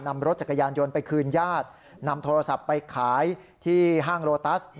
นำรถจักรยานยนต์ไปคืนญาตินำโทรศัพท์ไปขายที่ห้างโลตัส